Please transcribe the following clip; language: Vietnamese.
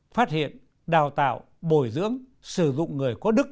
phát hiện đào tạo bồi dưỡng sử dụng người có đức